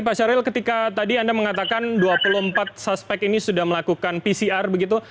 pak syahril ketika tadi anda mengatakan dua puluh empat suspek ini sudah melakukan pcr begitu